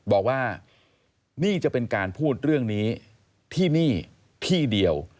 บอกว่านี่จะเป็นการพูดเรื่องนี้ที่นี่ที่เดียว